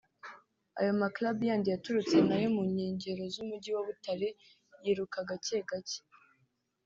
ayo maclub yandi yaturutse na yo mu nkengero z’umugi wa Butare yiruka gake gake